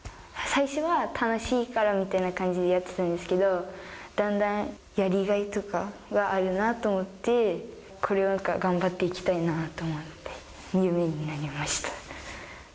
最初は楽しいからみたいな感じでやってたんですけど、だんだんやりがいとかがあるなと思って、これを頑張っていきたいなと思って、夢になりました。